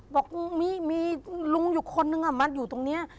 บอกมีลุงตรงนั่นมีคนอยู่ตรงเนี่ย